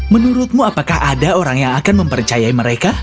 menurutmu apakah ada orang yang akan mempercayai mereka